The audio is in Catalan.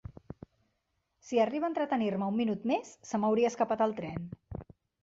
Si arriba a entretenir-me un minut més, se m'hauria escapat el tren.